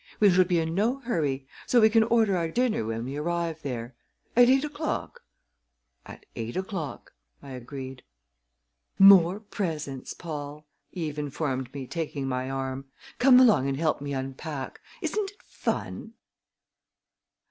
"We shall be in no hurry; so we can order our dinner when we arrive there. At eight o'clock?" "At eight o'clock!" I agreed. "More presents, Paul!" Eve informed me, taking my arm. "Come along and help me unpack! Isn't it fun?"